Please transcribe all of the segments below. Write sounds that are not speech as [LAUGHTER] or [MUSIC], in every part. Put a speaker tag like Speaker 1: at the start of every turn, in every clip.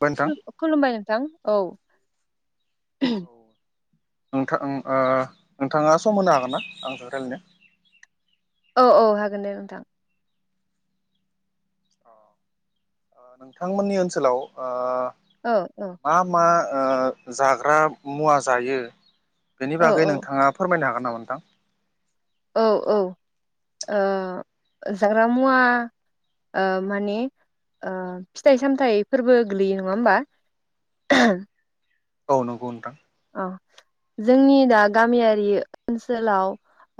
Speaker 1: बाय नोंथां
Speaker 2: नो खुलुमबाय नोंथां। औ।
Speaker 1: नोंथां ओ नोंथाङा सम होनो हागोन ना आंजों रायलायनो।
Speaker 2: औ औ हागोन दे नोंथां।
Speaker 1: नोंथांमोननि ओनसोलाव ओ
Speaker 2: औ औ
Speaker 1: मा मा। ओ जाग्रा मुवा जायो। बेनि
Speaker 2: औ
Speaker 1: बागै
Speaker 2: औ
Speaker 1: नोंथाङा फोरमायनो हागोन नामा नोंथां।
Speaker 2: औ औ ओ जाग्रा मुवा ओ माने फिथाइ सामथायफोरबो गोलैयो नङा होमबा [UNINTELLIGIBLE]
Speaker 1: औ नंगौ नोंथां।
Speaker 2: औ जोंनि दा गामियारि ओनसोलाव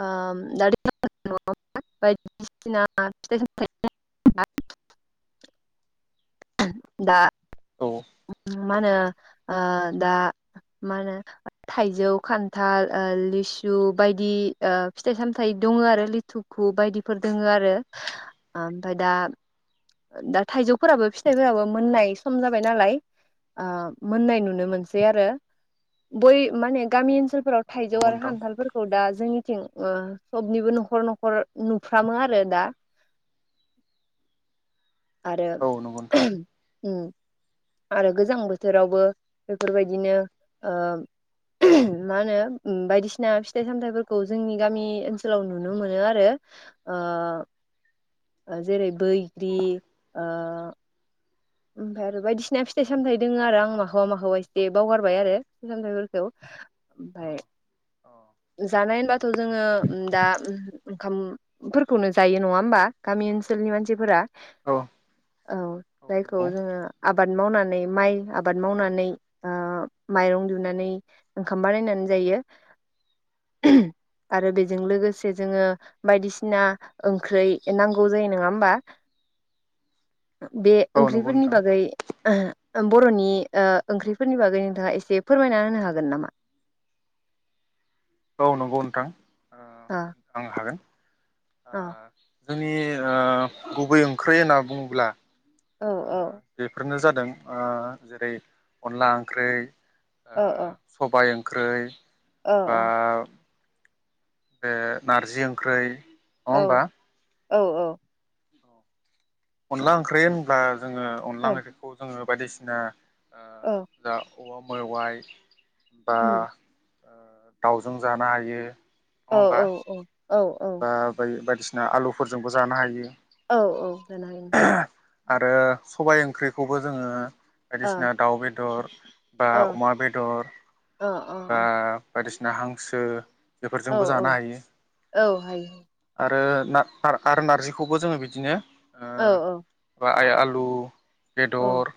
Speaker 2: ओ [UNINTELLIGIBLE] बायदिसिना फिथाइ सामथाइ [UNINTELLIGIBLE] दा
Speaker 1: औ।
Speaker 2: मा होनो ओ दा मा होनो थाइजौ खान्थाल ओ लिसु बायदि ओ फिथाइ सामथायाइ दङ आरो लिथुखु बायदिफोर दङ आरो ओ ओमफ्राय दा-दा थाइजौफोराबो फिथाइफोराबो मोननाय सम जाबाय नालाय। ओ मोननाय नुनो मोनसै आरो बै माने गामि ओनसोल। फोराव
Speaker 1: औ
Speaker 2: थाइजौ
Speaker 1: नंगौ
Speaker 2: आरो
Speaker 1: नोंथां
Speaker 2: हान्थालफोरखौ दा जोंनि। थिं ओ सबनिबो नखर नखर नुफ्रामो आरो दा। आरो
Speaker 1: औ नंगौ नोंथां
Speaker 2: [UNINTELLIGIBLE] उम। आरो गोजां बोथोरावबो बेफोरबायदिनो ओ मा होनो बायदिसिना फिथाइ सामथाइफोरखौ जोंनि गामि ओनसोलाव नुनो मोनो आरो ओ जेरै बैग्रि ओ। ओमफ्राय आरो बायदिसिना फिथाइ सामथाय दोङो आरो आं माखौबा माखौबा एसे बावगारबाय आरो फिथाइ सामथायाइफोरखौ। ओमफ्राय। जानाय होनबाथ जोङो दा उम ओंखाम फोरखौनो जायो नङा होमबा गामि ओनसोलनि मानसिफोरा औ जायखौ
Speaker 1: नंगौ
Speaker 2: जोङो आबाद मावनानै माइ आबाद मावनानै ओ माइरं दिुहुननानै ओंखाम बानायनानै जायो। [UNINTELLIGIBLE] आरो बेजों लोगोसे जोङो बायदिसिना ओंख्रै नांगौ जायो नङा होमबा? बे
Speaker 1: औ नंगौ
Speaker 2: ओंख्रिफोरनि
Speaker 1: नोंथां
Speaker 2: बागै [UNINTELLIGIBLE] बर'नि ओ ओंख्रिफोरनि बागै नोंथाङा एसे फोरमायना होनो हागोन नामा?
Speaker 1: औ नंगौ नोंथां ओ
Speaker 2: अ
Speaker 1: आं हागोन आ
Speaker 2: अ
Speaker 1: जोंनि ओ गुबै ओंख्रि होनना बुङोब्ला
Speaker 2: औ
Speaker 1: ओ बेफोरनो जाद दों ओ जेरै अनला ओंख्रै ओ
Speaker 2: औ
Speaker 1: सबाय ओं ओंख्रै
Speaker 2: औ
Speaker 1: बा बे नारजि ओंख्रै नङा होमबा
Speaker 2: औ औ
Speaker 1: अनला ओंख्रि होनब्ला जोङो अनला
Speaker 2: औ
Speaker 1: ओंख्रिखौ जोङो बायदिसिना ओ
Speaker 2: औ
Speaker 1: दा औवा मेवाइ बा
Speaker 2: उम
Speaker 1: ओ दाउजों जानो हायो नङा
Speaker 2: औ
Speaker 1: होमबा
Speaker 2: औ औ औ
Speaker 1: बा बाय बायदिस आलुफोरजोंबो जानो हायो
Speaker 2: औ औ जानो हायो नोंथां
Speaker 1: आरो सबाय ओंख्रिखौबो जोङो बायदिसिना दाउ बेदर [INAUDIBLE]
Speaker 2: ओ अ औ
Speaker 1: बा अमा बेदर बा बायदिसिना हांसो
Speaker 2: औ
Speaker 1: बेफोरजोंबो
Speaker 2: औ
Speaker 1: जानो हायो
Speaker 2: औ हायो।
Speaker 1: आरो ना आर आरो नारजिखौबो जोङो बिदिनो
Speaker 2: औ औ
Speaker 1: लु बेदर
Speaker 2: औ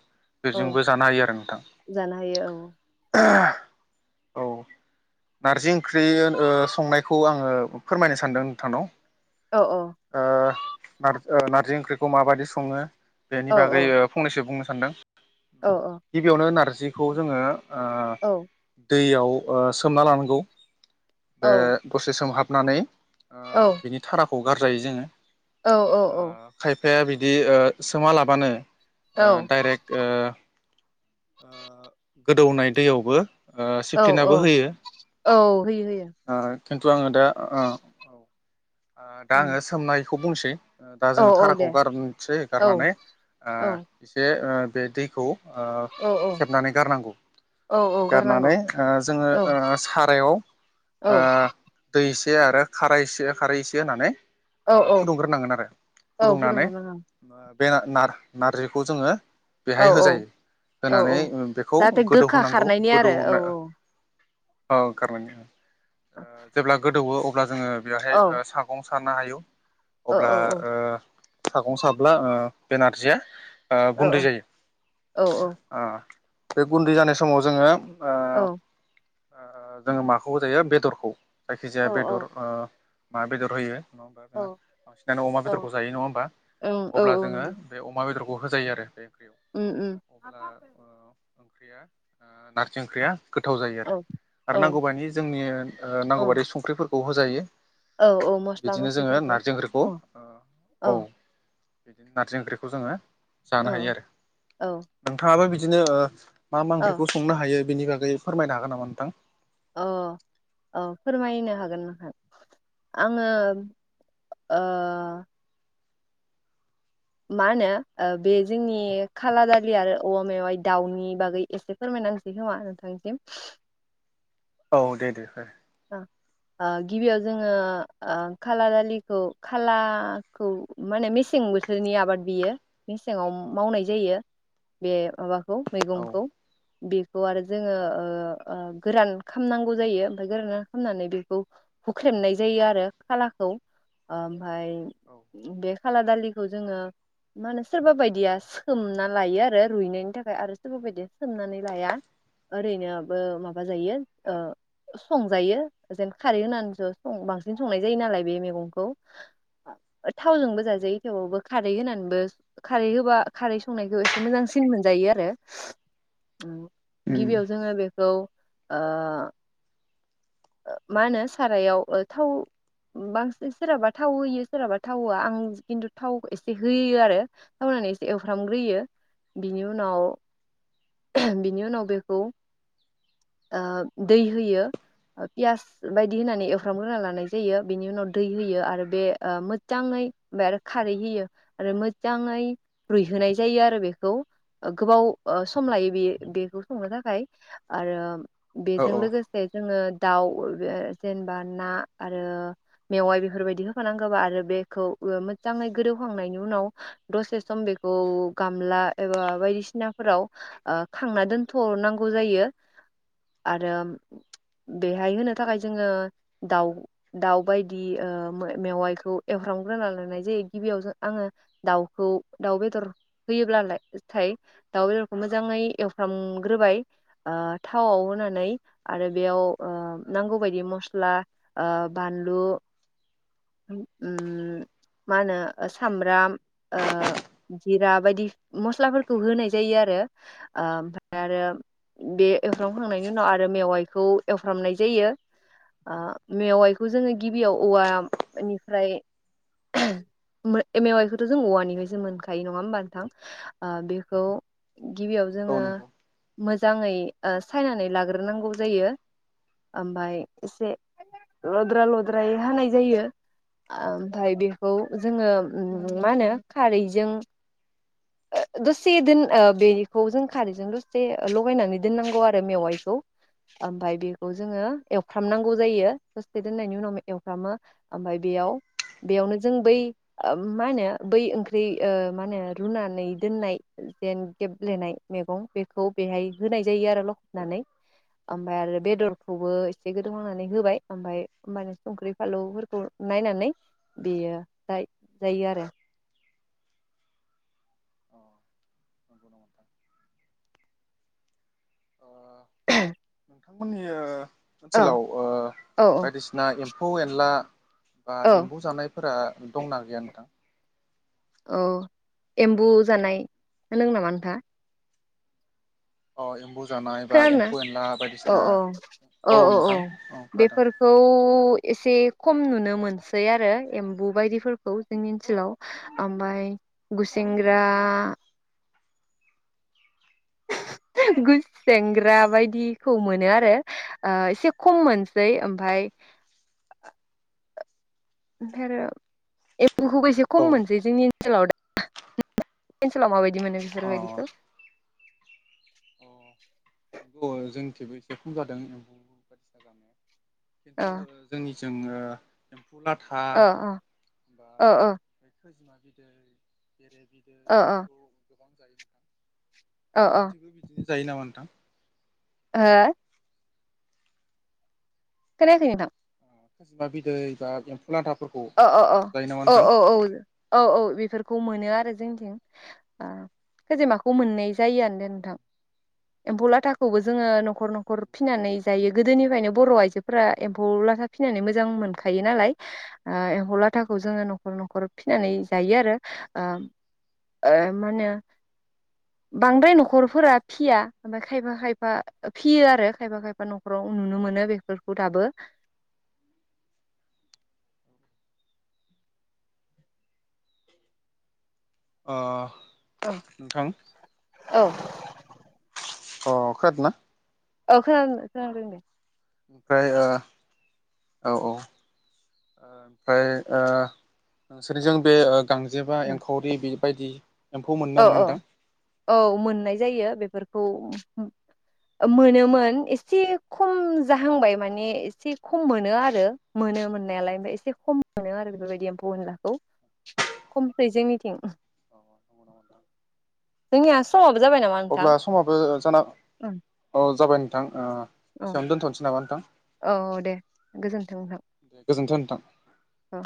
Speaker 2: औ
Speaker 1: बेजोंबो जानो हायो आरो नोंथां।
Speaker 2: जानो हायो
Speaker 1: औ नारजि ओंख्रि ओ संनायखौ आङो फोरमायनो सा सान्दों नोंथानाव
Speaker 2: औ
Speaker 1: ओ मार ओ नारजि ओंख्रिखौ माबायदि संङो बेनि
Speaker 2: औ
Speaker 1: बागै ओ फंनैसो बुंनो सानदों
Speaker 2: औ
Speaker 1: गिबियावनो नारजिखौ जोङो ओ
Speaker 2: औ
Speaker 1: दैयाव अ ओ सोमना लानांगौ बे
Speaker 2: औ
Speaker 1: दसे सोमहाब नानै ओ बिनि थाराखौ गारजायो जोङो
Speaker 2: औ औ औ
Speaker 1: फाया बिदि ओ सोमा लाबानो ओ दायरेक्ट ओ ओ गोदौनाय दैयावबो
Speaker 2: औ औ
Speaker 1: सिफ्लिनाबो होयो
Speaker 2: औ होयो-होयो
Speaker 1: ओ खिन्थु आङो दा ओ औ दा
Speaker 2: उम
Speaker 1: आङो सोमनाय खौ बुंसै ओ दा
Speaker 2: औ
Speaker 1: जोङो
Speaker 2: औ
Speaker 1: थाराखौ
Speaker 2: दे
Speaker 1: गारनोसै
Speaker 2: औ
Speaker 1: गारनानै ओ
Speaker 2: औ
Speaker 1: एसे ओ बे दैखौ ओ
Speaker 2: औ
Speaker 1: सेबनानै गारनांगौ
Speaker 2: औ औ गारनांगौ
Speaker 1: गारनानै ओ जोङो
Speaker 2: औ
Speaker 1: ओ सारायाव ओ
Speaker 2: औ
Speaker 1: दै इसे आरो खारायसे खारै एसे होनानै
Speaker 2: औ
Speaker 1: ओ
Speaker 2: औ
Speaker 1: फुदुंग्रोनांगोन आरो
Speaker 2: औ
Speaker 1: फुदुंनानै
Speaker 2: फुदुंनो नाङा
Speaker 1: ओ बे नार नारजिखौ जोङो
Speaker 2: औ
Speaker 1: बेहाय होजायो
Speaker 2: औ
Speaker 1: होनानै
Speaker 2: औ
Speaker 1: ओ बेखौ
Speaker 2: जाहाथे
Speaker 1: गोदौ
Speaker 2: गोखा
Speaker 1: होनांगौ
Speaker 2: खारनायनि आरो औ
Speaker 1: गोदौहोना औ खारनायनि ओं ओ जेब्ला गोदौवो अ अब्ला जोङो बेवहाय
Speaker 2: औ
Speaker 1: ओ सागं सानो हायो
Speaker 2: औ
Speaker 1: अब्ला
Speaker 2: औ
Speaker 1: ओ सागं साब्ला ओ बे नारजिया ओ
Speaker 2: औ
Speaker 1: गुन्दै जायो
Speaker 2: औ
Speaker 1: ओ बे गुन्दै जानाय समाव जोङो
Speaker 2: औ
Speaker 1: ओ जोङो माखौ होजायो बेदरखौ
Speaker 2: औ
Speaker 1: जायखिजाया बेदर ओ मा बेदर होयो नङा होमबा
Speaker 2: औ
Speaker 1: जोङो बांसिनानो अमा
Speaker 2: औ
Speaker 1: बेदरखौ जायो नङा होमबा
Speaker 2: ओं औ
Speaker 1: अब्ला
Speaker 2: औ
Speaker 1: जोङो
Speaker 2: नंगौ
Speaker 1: बे अमा बेदरखौ बाव होजायो आरो बे ओंख्रियाव
Speaker 2: उम उम
Speaker 1: अब्ला ओ ओंख्रिया ओ नारजि ओंख्रिया गोथाव जायो
Speaker 2: औ
Speaker 1: आरो
Speaker 2: औ
Speaker 1: आरो नांगौबानि जोंनि ओ
Speaker 2: औ
Speaker 1: नांगौबादि संख्रिफोर खौ होजायो
Speaker 2: औ औ
Speaker 1: बिदिनो जोङो
Speaker 2: मस्ला-मस्लिफोरखौ
Speaker 1: नारजि ओंख्रिखौ
Speaker 2: अ
Speaker 1: ओ
Speaker 2: औ
Speaker 1: बिदिनो नारजि ओंख्रिखौ जोङो जानो हायो आरो
Speaker 2: औ
Speaker 1: नोंथाङाबो बिदि बिदिनो ओ मा मा
Speaker 2: औ
Speaker 1: ओंख्रिखौ संनो हायो? बिनि बागै फोरमायनो हागोन नामा नोंथां?
Speaker 2: अ औ फोरमायनो हागोन नोंथां आङो ओ मा होनो ओ बे जोंनि खाला दालि आरो औवा मेवाय दाउनि बागै एसे फोरमायना होनोसै खोमा नोंथांसिम।
Speaker 1: औ दे दे
Speaker 2: ओं ओ गिबियाव जोङो ओ खाला दालिखौ खालाखौ माने मेसें बोथोरनि आबाद बियो मेसेङाव मावनाय जायो बे माबा खौ
Speaker 1: औ
Speaker 2: मैगंखौ खौ आरो जोङो ओ ओ गोरान खालामनांगौ जायो ओमफ्राय गोरोन खालामनानै बेखौ हुख्रेमनाय जायो आरो खालाखौ ओ ओमफ्राय बे खाला दालिखौ जोङो मा होनो सोरबा बायदिया सोमना लायो आरो रुइनायनि थाखाय आरो सोरबा बायदिया सोमनानै लाया ओरैनोबाबो माबा जायो ओ संजायो जेन खारै होनानैसो सं बांसिन संनाय जायो नालाय बे मैगंखौ थावजोंबो जाजायो थेवावबो खारै होननानै बो खारै होबा खारै संनायखौ एसे मोजांसिन मोनजायो आरो ओम गिबियाव जोङो बेखौ ओ ओ मा होनो सारायाव ओ थाव बांसिन सोरहाबा थाव होयो सोरहाबा थाव होआ आं खिन्थु थाव एसे होयो आरो थाव होननानै एसे एवफ्रामग्रोयो बिनि उनाव बिनि उनाव बेखौ ओ दै होयो ओ पियास बायदि होनानै एवफ्रामग्रोना लानाय जायो बेनि उनाव दै होयो आरो बे ओ मोजाङै एबार खारै होयो आरो मोजाङै रुइहोनाय जायो आरो बेखौ ओ गोबाव ओ सम लायो बे बेखौ संनो थाखाय आरो
Speaker 1: औ
Speaker 2: जों लोगोसे जोङो दाउ ओ जेनेबा ना आरो मेवाय बेफोरबायदि होफानांगौबा आरो बेखौ ओ मोजाङै गोदौवखांनायनि उनाव दसे सम बेखौ गामला एबा बायदिसिनाफोराव ओ खांना दोनथनांगौ जायो। आरो बेहाय होनो थाखाय जोङो दाउ दाउ बायदि ओ मो-मेवाइखौ एवफ्रामग्रोना लानाय जायो गिबियाव जो आङो दाउखौ दाउ बेदर होयोब्लाथाय दाउ बेदरखौ मोजाङै एवफ्रामग्रोबाय ओ थावआव होना नै आरो बेयाव ओ नांगौ बायदि मस्ला ओ बानलु उम मा होनो ओ सामब्राम ओ जिरा बायदि मस्लाफोरखौ होनाय जायो आरो ओ ओमफ्राय आरो बे एवफ्रामखांनाय खौ एवफ्रामनाय जायो ओ मेवाइखौ जोङो गिबियाव औवा निफ्राय उम मे मेवाइखौथ जों औवानिफ्रायसो मोनखायो नङा होमबा नोंथां ओ बेखौ गिबियाव
Speaker 1: औ
Speaker 2: जोङो मोज
Speaker 1: नंगौ
Speaker 2: मोजाङै ओ सायनानै लाग्रोनांगौ जायो ओमबाय एसे लद्रा लद्रायै हानाय जायो ओमफ्राय बेखौ जोङो उम मा होनो खारैजों ओ दसे दोन ओ बेखौ जों खारैजों दसे ओ लगायनानै दोननांगौ आरो मेवाइ खौ ओमफ्राय बेखौ जोङो
Speaker 1: औ
Speaker 2: एवफ्रामनांगौ जायो दसे दोननायनि उनाव मे एवफ्रामो ओमफाय बेयाव बेयावनो जों बै उम मा होनो बै ओंख्रि ओ मा होनो रुनानै दोननाय जेन गेब्लेनाय मैगं बेखौ बेहाय होनाय जायो आरो लखबनानै ओमफ्राय आरो बेदरखौबो एसे
Speaker 1: औ
Speaker 2: गोदौ हांनानै होबाय ओमफाय ओमबानो संख्रि फालौफोरखौ नायनानै बेयो जाय जायो आरो।
Speaker 1: अ नंगौ नोंथां ओ [UNINTELLIGIBLE]
Speaker 2: औ
Speaker 1: ओनसोलाव ओ
Speaker 2: औ
Speaker 1: बायदिसिना एम फौ एनला बा
Speaker 2: औ
Speaker 1: एम्बौ जानाय फोरा दंना गैया नोंथां?
Speaker 2: औ एम्बु जानाय होनदों नामा नोंथांआ
Speaker 1: अ एम्बु
Speaker 2: खोनादोना औ औ औ औ औ बेफोरखौ एसे खम नुनो मोनसै आरो एम्बु बायदिफोरखौ जोंनि ओनसोलाव ओमबाय गुसेेंग्रा गु सेंग्रा बायदिखौ मोनो आरो ओ एसे खम मोनसै ओमफाय ओ ओमफाय आरो एब म्बु एसे
Speaker 1: औ
Speaker 2: खम मोनसै जोंनि सोलाव [UNINTELLIGIBLE] ओनसोलाव माबायदि बिदि मोनो बेफोरबायदिखौ
Speaker 1: अ [UNINTELLIGIBLE] जोंनिथिबो एसे खम जादों एम्बु बायदिसिना जानाया खिन्थु
Speaker 2: अ
Speaker 1: ओ जोंनि जोङो एमफौ लाथा
Speaker 2: अ अ
Speaker 1: बा
Speaker 2: अ अ
Speaker 1: बै खजिमा बिदै बेरे बिदै
Speaker 2: अ
Speaker 1: औ एमफौ जायो नोंथां
Speaker 2: अ अ
Speaker 1: नोंसोरनिथिबो बि बिदि जायो नामा नोंथां?
Speaker 2: ओ खोनायाखै नोंना
Speaker 1: खैजिमा बिदै बा [UNINTELLIGIBLE]
Speaker 2: अ अ औ
Speaker 1: जायो नामा नोंथां
Speaker 2: औ औ औ बेफोरखौ मोनो मोनो आरो जोंनिथिं ओ खैजेमाखौ मोननाय जायो आरो नोंथां एम्फौ लाथाखौबो जोङो नखर नखर फिसिनानै जायो गोदोनिफ्रायनो बर' आइजोफोरा एम्फौ लाथा फिनानै मोजां मोनखायो नालाय ओह एम्फौ लाथाखौ जोङो नखर नखर फिनानै
Speaker 1: औ
Speaker 2: जायो आरो ओ ओ मा होनो बांद्राय नखरफोरा फिया ओमफ्राय खायफा खायफा फियो आरो खायफा खायफा नखराव नुनो मोनो बेफोरखौ दाबो
Speaker 1: अ
Speaker 2: औ
Speaker 1: नोंथां
Speaker 2: औ
Speaker 1: अ खोनादोना?
Speaker 2: औ खोनादों खोनादों दे
Speaker 1: ओमफ्राय ओ औ औ ओमफ्राय ओ नोंसोरनिजों बे ओ गांजेमा एंखावरि बायदि
Speaker 2: औ औ औ मोननाय जायो बेफोरखौ खौ मोनोमोन एसे खम जाहांबाय माने एसे खम मोनो आरो मोनो मोननायालाय ओमफ्राय एसे खम मोनो आरो बेफोरबायदि एम्फौ अनलाखौ खमसै जोंनिथिं जोंनिया सम
Speaker 1: अब्ला समाबो जाना औ जाबाय नोंथां ओ
Speaker 2: औ
Speaker 1: एसेयावनो दोनथनोसै नामा नोंथां
Speaker 2: औ दे गोजोन्थों नोंथां
Speaker 1: गोजोनथों [INAUDIBLE]
Speaker 2: औ